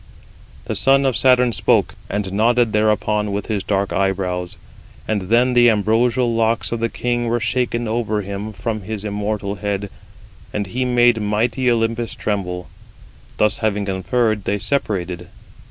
The son of Saturn spoke, and nodded thereupon with his dark eyebrows. And then the ambrosial locks of the king were shaken over him from his immortal head; and he made mighty Olympus tremble. Thus having conferred, they separated.